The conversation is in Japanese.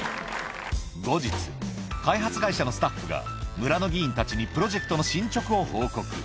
後日、開発会社のスタッフが村の議員たちにプロジェクトの進捗を報告。